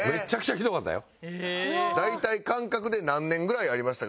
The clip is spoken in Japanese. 大体感覚で何年ぐらいありましたか？